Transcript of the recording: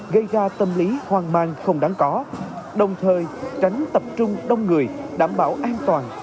gây ra tâm lý hoang mang không đáng có đồng thời tránh tập trung đông người đảm bảo an toàn cho công tác phòng chống dịch